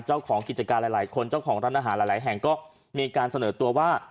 เจ้าของกิจการหลายคนเจ้าของร้านอาหารหลายแห่งก็มีการเสนอตัวว่า